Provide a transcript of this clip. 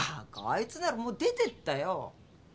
あいつならもう出てったよ。